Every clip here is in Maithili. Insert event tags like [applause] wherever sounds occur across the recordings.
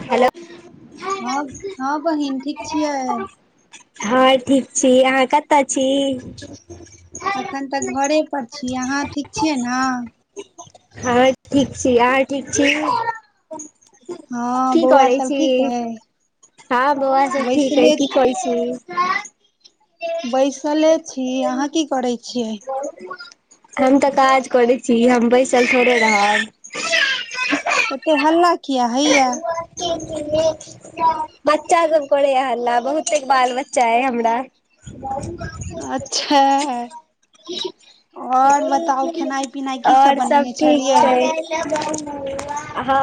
हेलो! हँ हँ बहिन ठीक छियै? हँ ठीक छी, अहाँ कतय छी? अखन तऽ घरे पर छी, अहाँ ठीक छियै ने? हँ ठीक छी, अहाँ ठीक छी? हँ की बौआ करै सब छी ठीक ऐ? हँ बौआ सब ठीक अछि, की करै छी? बैसले छी, अहाँ की करै छी? बहुत [unintelligible] हम तऽ काज करै छी, हम बैसल थोड़े रहब। एते हल्ला किया हइया? [unintelligible] बच्चा सब करै या हल्ला बहुते बाल-बच्चा एहि हमरा अच्छा [unintelligible] और बताउ खेनाइ पिनाइ की आओर सब बनेने ठीक छलियै छै। [unintelligible] हँ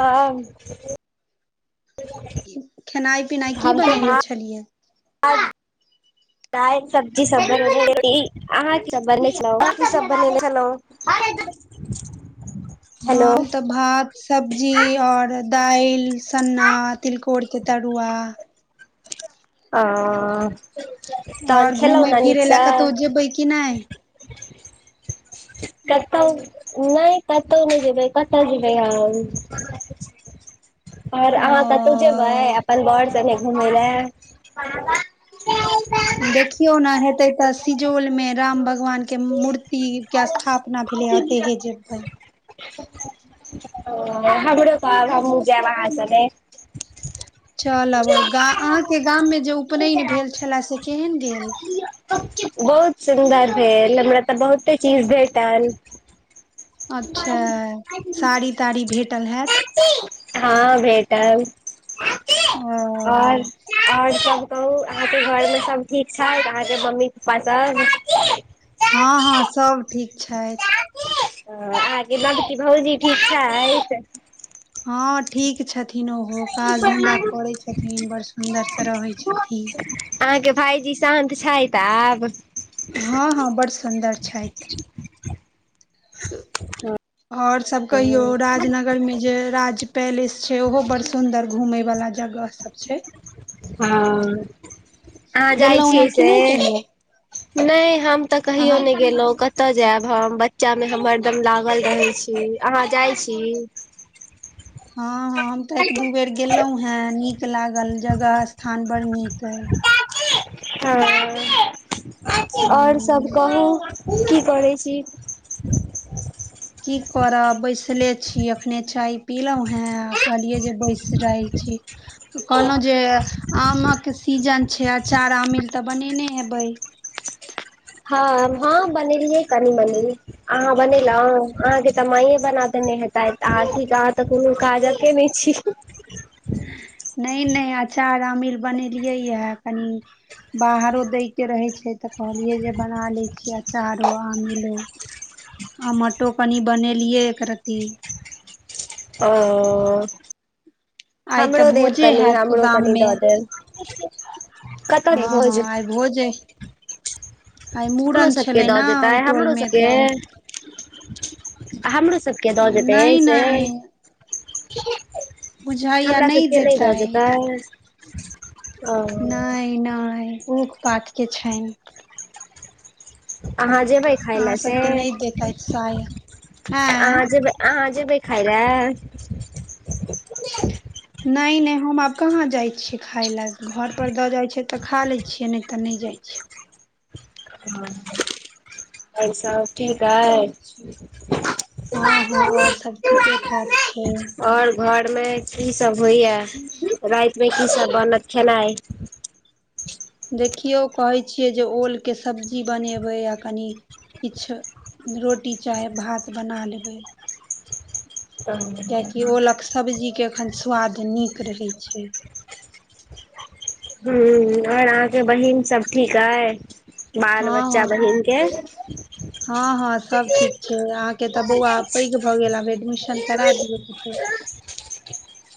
[unintelligible] खेनाइ-पिनाइ की हम तऽ बनेने छलियै? [unintelligible] दालि सब्जी सब बने [unintelligible] अहाँ की सभ बनेने छलहुँ [unintelligible] हम तऽ भात सब्जी और दाइल सन्ना तिलकोरिके तड़ुआ आ आऔर घूमै फिरै लए कतौ जेबै की नहि? कतौ नहि कतौ नहि जेबै कत जेबै‌ हम। आओर अहाँ कतहु जेबै ओ अपन वौर संगे घुमय लए? देखियौ नेे हेत तय तऽ सिजौलमे राम भगवान के मूर्तिके स्थापना भेलै ओतेहे जेबै। ओ हमरो कहब हमहू जायब आहां संगे। चलब ग अहाँके गाममे जे उपनयन भेल छला से केहन गेल? बहुत सुन्दर भेल हमरा तऽ बहुते चीज भेटल। अच्छा साड़ी ताड़ी भेटल हैत? हँ भेटब ओ आओर। आओर सब कहू अहाँके घरमे सब ठीक छैथ अहाँके मम्मी पप्पा सब? हँ हँ सब ठीक छथि। ओ अहाँके नबकी भउजी ठीक छैथ। हँ ठीक छथि। न ओहो काज धंधा करै छथिन बड़ सुन्दर से रहै छथिन। अहाँके भाईजी शान्त छथि आब? हँ हँ बड़ सुन्दर छैथ। आऔर सब कहियौ राजनगरमें जे राज पैलेस छैय ओहो बड्ड सुंदर घूमे वाला जगह सब छैय। हँ आहाँ जाइ गेलहुँ हेँ छियै कि से? नहि कहियौ नहि हम तऽ कहियो अहाँ नहि गेलहुँं क तय जायब हम बच्चामे हम हरदम लागल रहै छी अहाँ जाइ छी? [inaudible] हँ हँ हम तऽ एक दू बेर गेलहुॅं हें नीक लागल जगह स्थान बड़ नीक अय। हँ आओर सभ हूँ कहू की करैत छी? की करब बैसले छी एखने चाय पीलौ हे आ कहलियै जे बैस रहैए छी। कहलौ जे आमक सीजन छैय अचार आमील तऽ बनेने हेबै। हँ हँ बनेलियै कनी मनी। अहाँ बनेलहु अहाँके तऽ माइए बना देने हेतैथ आथी अहाँ तऽ कोनो काजक केने छी। नहि नहि अचार अमील बनेलियैया कनि। बाहरो दैके रहैत छैय तऽ कहलियै जे बना लै छियै अचारो आमिलो। आमटो कनि बनेलियै एक रत्ती। ओ आइ तऽ हमरो देब भोजे कनि हैत हमरो गाम कनि मे दऽ देब कतऽ हय हँ भोज? [inaudible] हँ आइ भोजे आइ अपनो मूड़न सबके छलै ने दऽ देतै ओहि टोल हमरो मे सबके तऽ हमरो सबके के दऽ देतै नहि नहि से। हमरा सबके नहि दऽ देतै? नहि नहि [unintelligible] पात के छनि। अहाँ जेबै खाय ले से सबके नहि देतैथ साया आँ अहाँ जे अहाँ जेबै? खलै। नहि नहि, हम आब कहाँ जाइत छी खाइ लेल? घरपर दऽ जाइत छै तऽ खा लै छी, नहि तऽ नहि जाइत छी। हँ। आओर सभ ठीक हइ। हँ, हँ, और सभ ठीके ठाक छै। आओर घरमे कि सभ होइया रातमे कि सभ बनत खेनाइ? देखियौ, कहै छियै जे ओलके सब्जी बनेबै आ कनि। कीछो रोटी चाहे भात बना लेबै। [inaudible] किएक तँ ओलके सब्जीके एखन स्वाद नीक रहैत छै। हू, और आहाँकेँ बहिन सभ ठीक ऐ हँ, हँ, हँ, हँ, सभ ठीक छै, अहाँकेँ तऽ बौआ आब पैघ। भऽ गेल आब एडमिशन कर दियौ।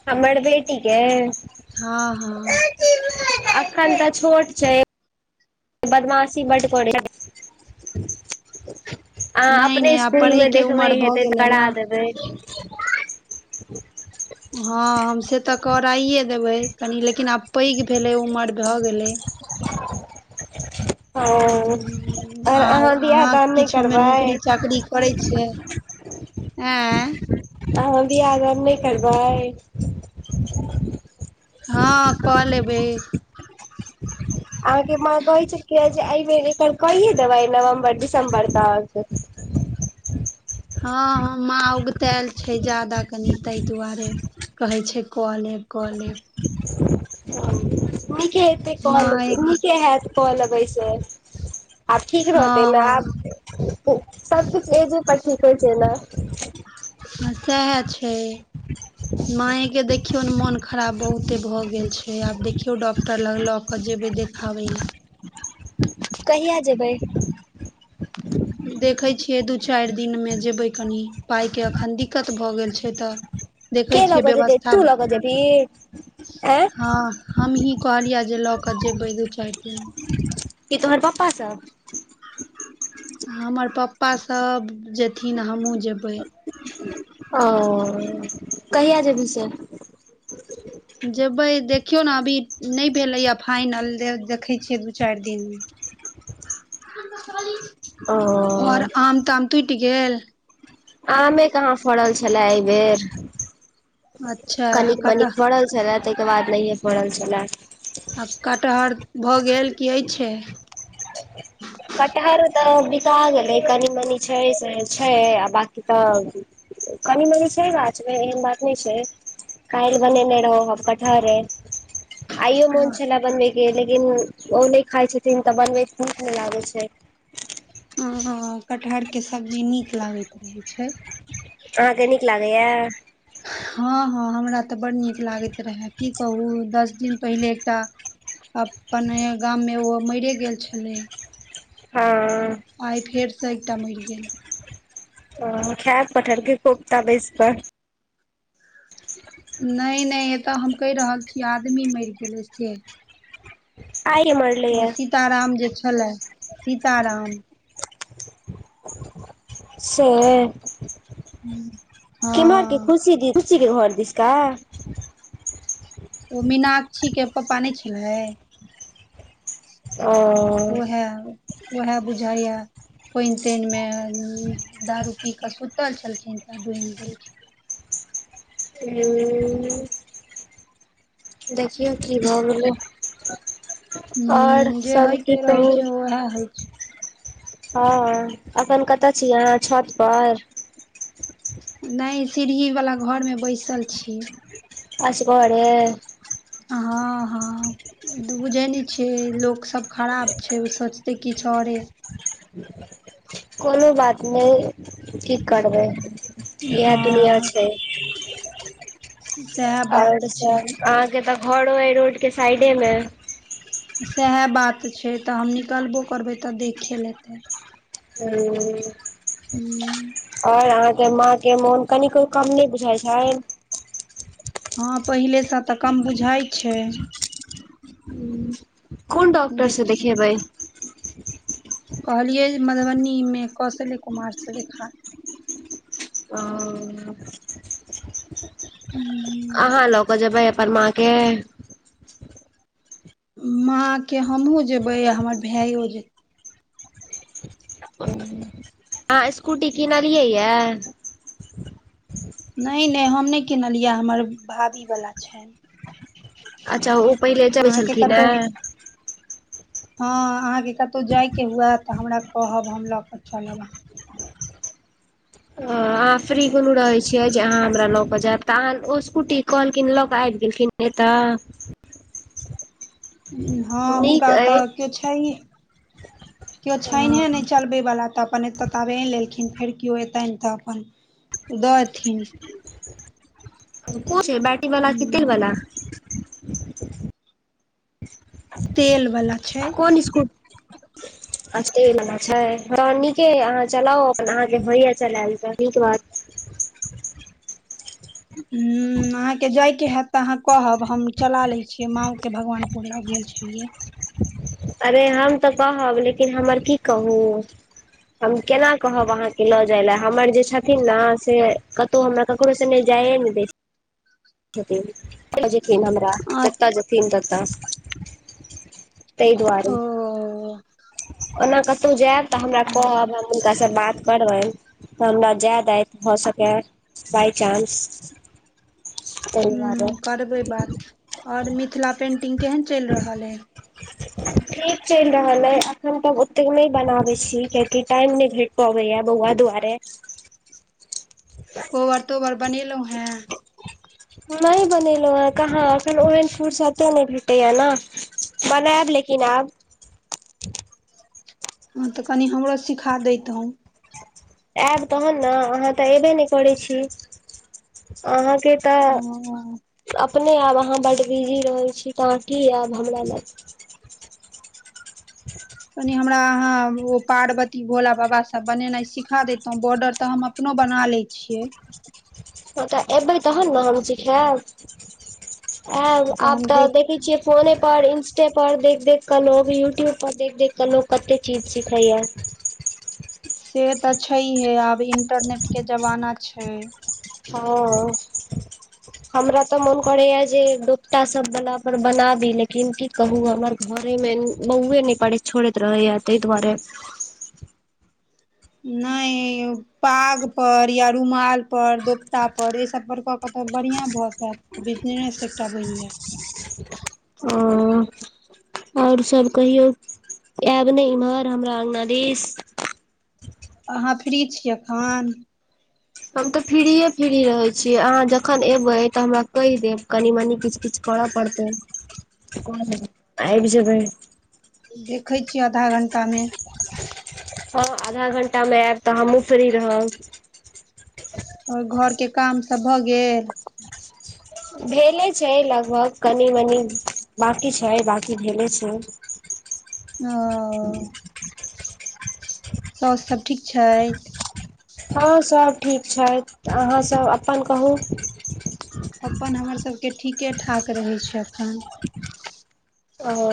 हमर बेटीगे। हँ, हँ। अखन तऽ छोट छै। बदमाशी बड़ पदे। अहाँ नहि अपने नहि आब स्कूलमे पढ़यके देखबै उमर भऽ हेतैऽ गेलै करा ने देबै। हँ, हम से तऽ कराइए देबै, कनि लेकिन आब पैघ भेलै उमर भऽ गेलै। ओ आओर आ बियाह अहाँ दान नहि किछोमे करबै नौकरी चाकरी। करै छियै, आँ। आ हो बियाह दान नहि करबै। हँ, कऽ लेबै। अहाँकेँ माँ कहै छलकिय जे एहि बेर एकर कहिए देबै नवम्बर दिसम्बर तक। हँ, माँ उगतायल छै, ज्यादा कनि ताहि दुआरे। कहै छै, कऽ लेब कऽ लेब। निक हेतै कहलेबै माय के नीके हत कहलेबैसे आब ठीक रहतै ने हँ आब सभ किछु एज पर ठीक होइ छै, ने। सेहा छै। मायेके देखियौ ने मोन खराब बहुते भऽ गेल छै, आब देखियौ डॉक्टर। तऽ लग लऽ कऽ जेबै, देखाबै लेल। कहिया जेबै? देखै छियै दू चारि दिनमे जेबै कनि पाइके एखन दिक्कत भऽ गेल छै तऽ। देखै के लऽ छियै कऽ जेतै व्यवस्था तू हँ, लऽ कऽ जेबही आँय हम्हि। कहलियै जे लऽ कऽ जेबै दू-चारि दिन। की तोहर पप्पासँ हमर पप्पा सभ जेथिन हमहु जेबै। ओ, कहिया जेबी से? जेबै देखियौ ने अभी नहि भेलै यै फाइनल देखै छियै दू चारि दिनमे। [inaudible] ओ ओर आम ताम टुटि गेल। आमे कहाँ फड़ल छलै एहि बेर। अच्छा कटह कनिक-मनिक फड़ल छलै, ताहिके बाद नहि फड़ल छलै। आब कटहर भऽ गेल की होइ छै। कटहर तऽ बिका गेलै कनी मनी छै, से छै, आ बाकी त। कनी-मनी छै गाछमे एहन बात नहि छै काल्हि बनेने रहुॅं हम कटहरे आइयो मोन हँ छलए बनबयके लेकिन ओ नहि खाए छथिन त बनबैमे मोन नहि लागैत छै हॅं, हॅं कटहरके सब्जी नीक लागैत रहेै छै अहाँके नीक लागैया? हँ, हँ हमरा त बड़ नीक लागैत रहए की कहूँ दस दिन पहिले एकटा अपने गाममे ओ मैरे गेल छलै हँ आइ फेरसँ एकटा मरि गेल। ओ खाएब‌ कटहरके कोपता बैसि कऽ नहि नहि एतऽ हम कहि रहल छी आदमी मरि गेलै से आइये मरि गेलै? ओ सीताराम जे छलए सीताराम सैह, किम्हर के हँ खुशी दी [unintelligible] खुशीके घर दिसका? ओ मीनाक्षीके पापा नहि छलै ओ ओहै, ओहै बुझायै! पानि-तानिमे उ दारू पी कऽ सुतल छलखिन तऽ डूमि गेलखिन उहूं देखियो की भए गेलै! आओर सब की कहू वैहा, होइ छै हँ, अखन कतय छी अहाँ छत पर? नहि, सीढ़ी वाला घरमे बैसल छी असगरे? हँ, हँ तु बुझै नहि छिही, लोकसभ खराब छै ओ सोचतै किछ आओरे ह [inaudible] कोनो बात नहि की करबै इएह दुनिया हँ छै सएह बात आओर छै अहाँके तॅं घरो एहि रोडके साइडेमे सैहे बात छै, तॅं हम निकलबो करबै तऽ देखे लेत ओ [unintelligible] हूँ आओर अहाँके माँके मोन कनेको कम नहि बुझाइत छनि? हँ पहिलेसँ तऽ कम बुझाइ छै। कोन डॉक्टरसॅं देखियौ देखेबै? कहलियै मधुबनीमे कशलै कुमारसँ देखा लेब ओ अहाँ लऽ कऽ जेबै अपन‌ माँके? माँ के, हमहुँ जेबे आ हमर भाइयो जेेतै नहि नहि नहि [inaudible] अहाँ स्कूटी किनलियै य? नहि नहि, हम नहि किनलियै हमर भाभीवला छियै। अच्छा ओ पहिले चढैत कतहु छलखिनहे? हँ अहाँके कतहु जायके हुए त हमरा कहब हम ल क चलब अहाँके। अहाँ फ्री कोनो रहै छियै जे अहाँ हमरा लऽ के जायब। तहन ओ स्कूटी कहलखिन लऽ क आबि गेलखिन एतऽ। हँ नीक हुनका अइ त केव छैह। [inaudible] केओ छैनिहे नहि चलबैवला त अपन एतय तबे आएन लेलखिन फेर केओ अयतन त अपन द देथिन। कौन छिए बैट्री वला की तेल वला? तेल वला छै कौन स्कु अच्छा तेल वाला छैय नीकेह चलाउ अपन अहाँ के होइया चलाल जा नीक बात। हूँ अहाँके जाइके हैत तऽ अहाँ कहब हम चला लै छियै माँ के भगवानपुर लग गेल छलियै। अरे हम त कहब लेकिन हमर की कहूँ हम केना कहब अहाँके लऽ जाय लै हमर जे छथिन ने से तौ हमरा ककरो संगे जाइ नहिं दय छथिन ल जेथिन हमरा अ जत जेथिन। जेथिन तत तहि दुआरे। ओ ओना कतहु जायब तऽ हमरा कहब हूँ हम हुनकासँ बात करबै त हमरा जाय देथी भ सकै बाइचान्स। ह करबै बात और मिथिला पेंटिंग केहन चलि रहल है? ठीक चलि रहल अइ अखन तब ओतेक नहि बनाबैत छी कियाकि टाइम नहि भेट पबैया बौआ दुआरे। कोबर तोबर बनेलहुॅं हैं? नहि बनेलहुँं है कहाँ एखर ओहन फूरसते नहि भेटैया ने बनायब लेकिन आब। हँ तऽ कनि हमरो सिखा देैतव। आयब तहन ने अहाँ तऽ एबे नहि करैत छी अहाँके त अपने आब अहाँ बड्ड बिजी रहै छी त अहाँ की आयब हमरा लग। कनि हमरा अहाँ ओ पार्वती भोला बाबा सभ बनेनाई सिखा देैतहुँ बॉर्डर त हम अप अपनो बना लै छियै। [inaudible] ह त एबै तहन ने हम सिखायब आयब तऽ आब हम त देख देखै छियै फोने पर इंस्टे पर देख देख क लोग यूट्यूब पर देख क लोग कते चीज सिखैया। से तऽ छैहे आब इंटरनेटके जमाना छैय। हँ हमरा त मन करैया जे दोपटा सब बला पर बनाबी लेकिन की कहु हमर घरेमे बौए नहि पड़े छोड़ैत रहैया तै दुआरे नै पागपर या रुमालपर दोपतापर एहिसभपर कऽ कऽ तऽ बढ़िया भऽ जायत। बिजनेस एकटा बनि जायत। अ आओर सब कहियौ आयब नहि इम्हर हमरा अंगना दिश? अहाँ फ्री छियै एखन? हम त फ्रीये फ्री रहै छीयै अहाँ जखन एबै त हमरा कहि देब कनि मनी किछ किछ करऽ पड़तै आबि जेबै। देखैत छियै आधा घंटा मे। हँ आधा घंटामें आयब त हमहूँ फ्री रहब। आओर घर के काम सब भ गेल? भेले छैय लगभग कनि मनी बकी छैय बाकी भेले छैय। ओ सौस सभ ठीक छथि? हँ सभ ठीक छथि अहाँसभ अपन कहू। अपन हमर सभके ठीके ठाक रहै छैय एखन। ओ